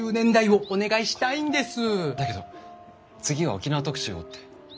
だけど次は沖縄特集をって。